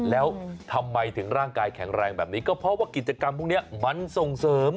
แล้วทำไมถึงร่างกายแข็งแรงแบบนี้ก็เพราะว่ากิจกรรมพวกนี้มันส่งเสริม